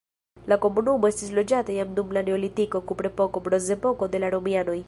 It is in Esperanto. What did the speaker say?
La komunumo estis loĝata jam dum la neolitiko, kuprepoko, bronzepoko, de la romianoj.